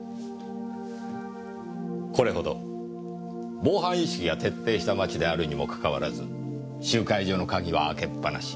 これほど防犯意識が徹底した町であるにもかかわらず集会所の鍵は開けっ放し。